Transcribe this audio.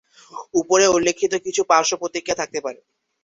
উপরে উল্লিখিত কিছু পার্শ্ব প্রতিক্রিয়া থাকতে পারে।